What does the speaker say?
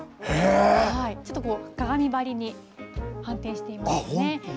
ちょっと鏡張りに反転していますね。